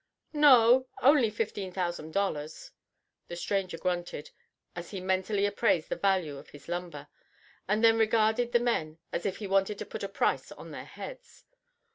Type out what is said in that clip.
"N o o, only fifteen thousand dollars." The stranger grunted, as he mentally appraised the value of his lumber, and then regarded the men as if he wanted to put a price on their heads.